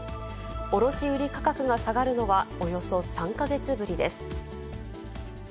卸売り価格が下がるのは、およそ３か月ぶりです。